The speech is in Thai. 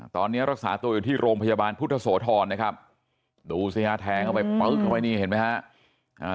ตอนนี้รักษาตัวอยู่ที่โรงพยาบาลพุทธโสธรนะครับดูเสียงทางเข้าไปเห็นไหมครับ